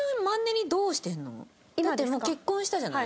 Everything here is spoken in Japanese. だってもう結婚したじゃない。